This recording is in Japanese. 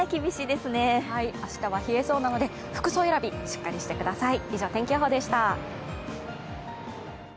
明日は冷えそうなので服装選びしっかりしてください。